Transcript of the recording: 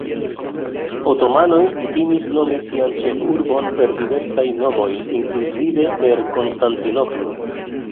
Otomanoj kutimis nomi sian ĉefurbon per diversaj nomoj, inkluzive per Konstantinopolo.